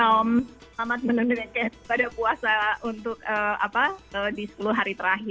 selamat menunjukkan kepada puasa untuk apa di sepuluh hari terakhir